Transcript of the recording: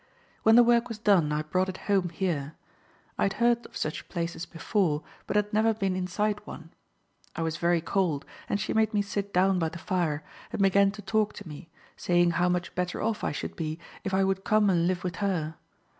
When the work was done I brought it home here. I had heard of such places before, but had never been inside one. I was very cold, and she made me sit down by the fire, and began to talk to me, saying how much better off I should be if I would come and live with her.